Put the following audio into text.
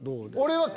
俺は。